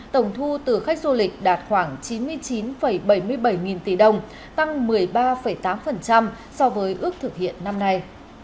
tổng thu từ khách du lịch đạt khoảng chín mươi chín bảy mươi bảy nghìn tỷ đồng tăng một mươi ba tám so với ước thực hiện năm nay